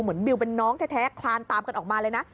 บิวเป็นน้องแท้คลานตามกันออกมาเลยนะ